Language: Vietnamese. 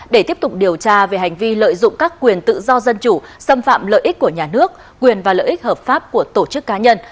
để tiếp tục điều tra về hành vi lợi dụng các quyền tự do dân chủ xâm phạm lợi ích của nhà nước quyền và lợi ích hợp pháp của tổ chức cá nhân